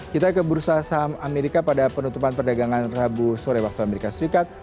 kita ke bursa saham amerika pada penutupan perdagangan rabu sore waktu amerika serikat